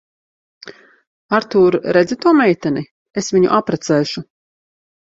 Artūr, redzi to meiteni? Es viņu apprecēšu.